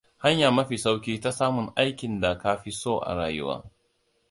Hanya mafi sauki ta samun aikin da ka fi so a rayuwa!